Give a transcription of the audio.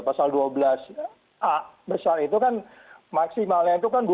pasal dua belas a besar itu kan maksimalnya itu kan dua puluh tahun